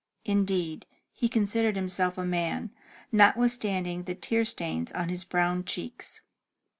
Indeed, he considered himself a man, notwithstanding the tear stains on his brown cheeks.